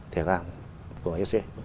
thể gạo của hsc